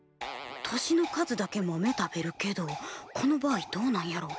年の数だけ豆食べるけどこの場合どうなんやろ？